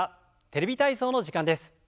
「テレビ体操」の時間です。